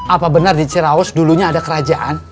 apa benar di ciraus dulunya ada kerajaan